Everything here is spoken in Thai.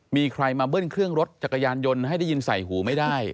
มีใครมาเบิ้ลเครื่องรถจักรยานยนต์ให้ได้ยินใส่หูไม่ได้